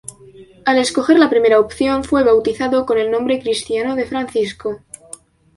Al escoger la primera opción fue bautizado con el nombre cristiano de Francisco.